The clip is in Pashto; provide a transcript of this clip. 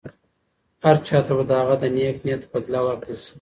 هر چا ته به د هغه د نېک نیت بدله ورکړل شي.